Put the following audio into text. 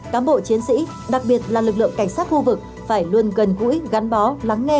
cám bộ chiến sĩ đặc biệt là lực lượng cảnh sát khu vực phải luôn gần gũi gắn bó lắng nghe